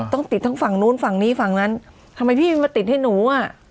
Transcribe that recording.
ต้องติดทั้งฝั่งนู้นฝั่งนี้ฝั่งนั้นทำไมพี่ไม่มาติดให้หนูอ่ะ